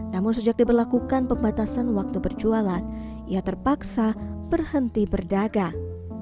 namun sejak diberlakukan pembatasan waktu berjualan ia terpaksa berhenti berdagang